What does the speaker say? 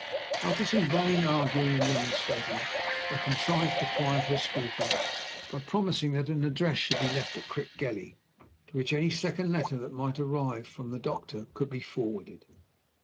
After some vain arguing and remonstrating, I contrived to quiet her scruples, by promising that an address should be left at Crickgelly, to which any second letter that might arrive from the doctor could be forwarded.